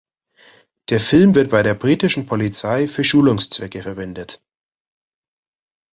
Der Film wird bei der britischen Polizei für Schulungszwecke verwendet.